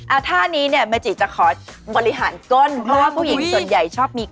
ท่านี้เนี่ยเมจิจะขอบริหารก้นเพราะว่าผู้หญิงส่วนใหญ่ชอบมี